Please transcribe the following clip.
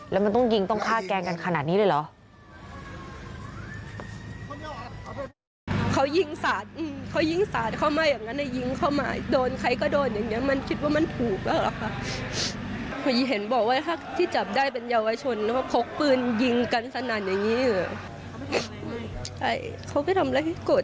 แล้วมันต้องยิงต้องฆ่าแกล้งกันขนาดนี้เลยเหรอ